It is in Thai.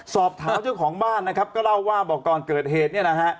สอบถามเจ้าของบ้านนะครับก็เล่าว่าบอกก่อนเกิดเหตุเนี่ยนะฮะ